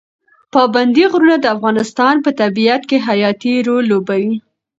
پابندي غرونه د افغانستان په طبیعت کې حیاتي رول لوبوي.